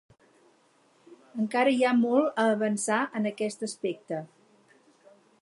Encara hi ha molt a avançar en aquest aspecte.